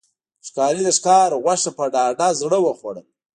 ښکاري د ښکار غوښه په ډاډه زړه وخوړل.